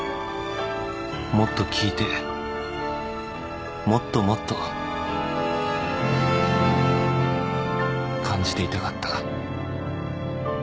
もっと聴いてもっともっと感じていたかった